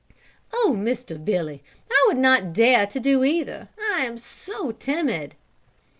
"Oh, Mr. Billy, I would not dare do either, I am so timid."